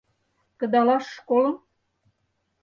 — Кыдалаш школым?